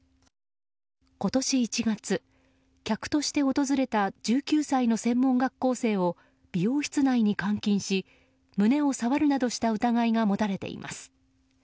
今年１月、客として訪れた１９歳の専門学校生を美容室内に監禁し胸を触るなどした疑いが持たれています。